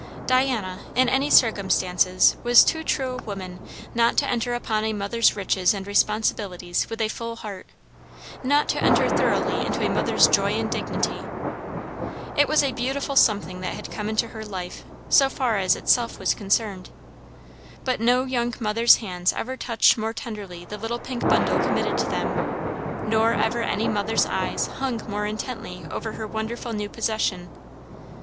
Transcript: Diana in any circumstances was too true a woman not to enter upon a mother's riches and responsibilities with a full heart, not to enter thoroughly into a mother's joy and dignity; it was a beautiful something that had come into her life, so far as itself was concerned; and no young mother's hands ever touched more tenderly the little pink bundle committed to them, nor ever any mother's eyes hung more intently over her wonderful new possession.